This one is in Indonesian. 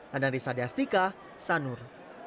dan dari sadiastika sanur